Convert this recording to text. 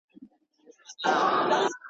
هره شپه چي تېرېده ته مي لیدلې.